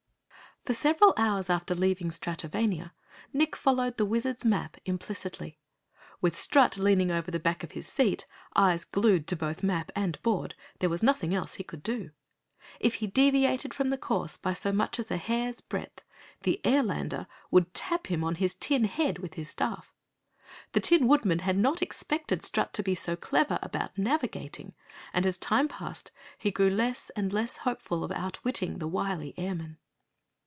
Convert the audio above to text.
For several hours after leaving Stratovania, Nick followed the Wizard's map implicitly. With Strut leaning over the back of his seat, eyes glued to both map and board, there was nothing else he could do. If he deviated from the course so much as a hair's breadth, the Airlander would tap him on his tin head with his staff. The Tin Woodman had not expected Strut to be so clever about navigating and as time passed, he grew less and less hopeful of outwitting the wily Airman.